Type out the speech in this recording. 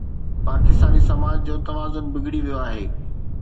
پاڪستاني سماج جو توازن بگڙي ويو آهي.